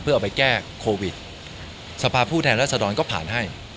เอาไปแก้โควิดสภาพผู้แทนรัศดรก็ผ่านให้